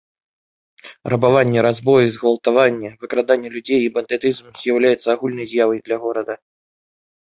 Рабаванні, разбоі, згвалтаванні, выкраданне людзей і бандытызм з'яўляюцца агульнай з'яў для горада.